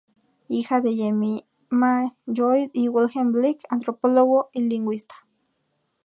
Hija de Jemima Lloyd y Wilhelm Bleek, antropólogo y lingüista.